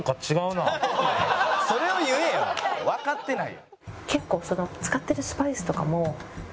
わかってない。